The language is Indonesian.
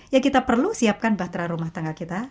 ya kita perlu siapkan bahtera rumah tangga kita